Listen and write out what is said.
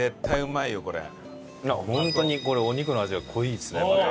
本当にこれお肉の味が濃いですねまた。